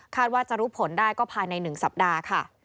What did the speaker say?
ว่าจะรู้ผลได้ก็ภายใน๑สัปดาห์ค่ะ